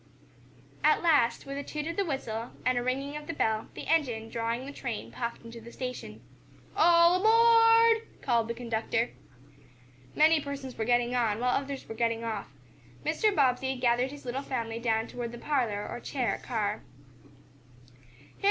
At last, with a toot of the whistle, and a ringing of the bell, the engine, drawing the train, puffed into the station. "All aboard!" called the conductor. Many persons were getting on, while others were getting off. Mr. Bobbsey gathered his little family down toward the parlor, or chair, car.